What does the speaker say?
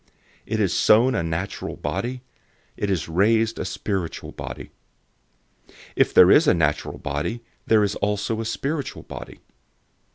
015:044 It is sown a natural body; it is raised a spiritual body. There is a natural body and there is also a spiritual body.